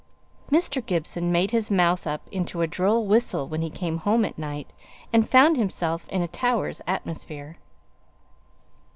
Mr. Gibson made his mouth up into a droll whistle when he came home at night, and found himself in a Towers' atmosphere.